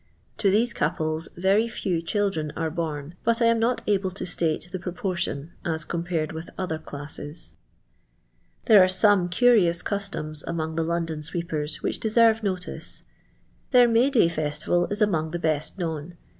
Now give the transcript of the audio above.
To these •' couples Ter}' few cbildren are bom ; but I am not able to state the proportion as compared with other classes. Th'.r* aff «o»i« cnriohu cvsfoms anoa^ i^ji /.O't'/on t^fiptn which deserve notice. Their May day festival is among the belt known.